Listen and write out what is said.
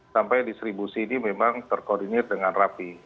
sampai distribusi ini memang terkoordinir dengan rapi